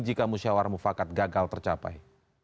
jika musyawarah mufakat gagal tercapai